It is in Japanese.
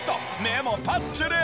目もパッチリ！